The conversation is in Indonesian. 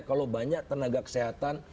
kalau banyak tenaga kesehatan